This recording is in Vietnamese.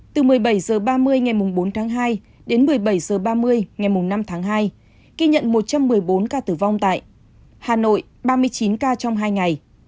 từ một mươi bảy h ba mươi ngày bốn tháng hai đến một mươi bảy h ba mươi ngày năm tháng hai ghi nhận một trăm một mươi bốn ca tử vong tại hà nội ba mươi chín ca trong hai ngày